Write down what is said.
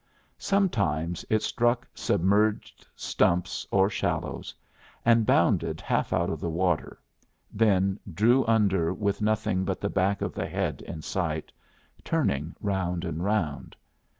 Sometimes it struck submerged stumps or shallows, and bounded half out of water, then drew under with nothing but the back of the head in sight, turning round and round.